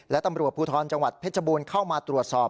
และตำรวจภูทรจังหวัดเพชรบูรณ์เข้ามาตรวจสอบ